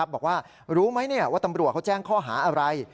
บอกว่ารู้ไหมว่าตำรวจเขาแจ้งข้อหาอะไร